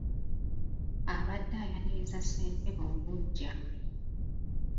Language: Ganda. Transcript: Abadde ayaniriza ssentebe omuggya.